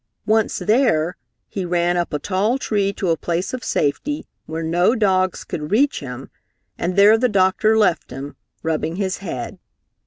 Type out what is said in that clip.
Once there, he ran up a tall tree to a place of safety, where no dogs could reach him, and there the doctor left him, rubbing his head.